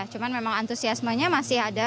cuman memang antusiasmenya masih ada